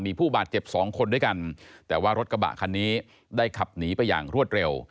มีผู้บาดเจ็บสองคนด้วยกันแต่ว่ารถกระบะคันนี้ได้ขับหนีไปอย่างรวดเร็ว